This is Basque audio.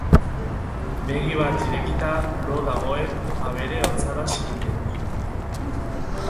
Begi bat irekita lo dagoen abere otzana zirudien.